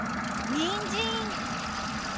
にんじん！